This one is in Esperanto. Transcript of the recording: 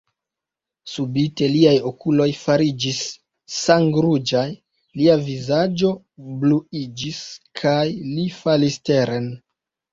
Subite liaj okuloj fariĝis sangruĝaj, lia vizaĝo bluiĝis, kaj li falis teren.